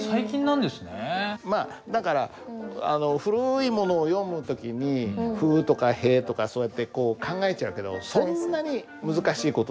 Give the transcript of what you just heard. まあだから古いものを読む時に「ふ」とか「へ」とかそうやってこう考えちゃうけどそうですか。